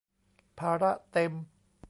ภาระเต็ม